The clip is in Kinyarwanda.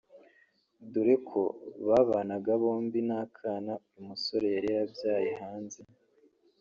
dore ko babanaga bombi n’akana uyu musore yari yarabyaye hanze